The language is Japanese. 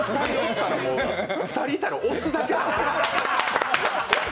２人いたら押すだけよ